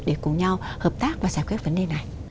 để cùng nhau hợp tác và giải quyết vấn đề này